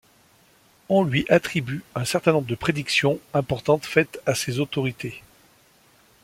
On lui attribue un certain nombre de prédictions importantes faites à ces autorités.